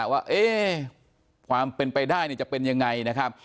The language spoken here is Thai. ว่าความเป็นไปได้จะเป็นยังไงนะครับ